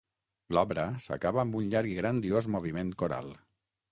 L'obra s'acaba amb un llarg i grandiós moviment coral.